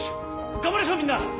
頑張りましょうみんな。